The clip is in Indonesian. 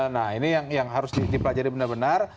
nah ini yang harus dipelajari benar benar